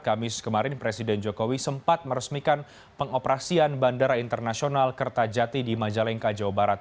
kamis kemarin presiden jokowi sempat meresmikan pengoperasian bandara internasional kertajati di majalengka jawa barat